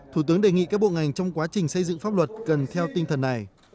thủ tướng đề nghị các bộ ngành trong quá trình xây dựng pháp luật cần theo tinh thần này